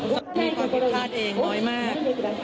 ซ้ำมีความผิดพลาดเองน้อยมาก